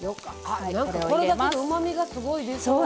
これだけでうまみがすごい出そう。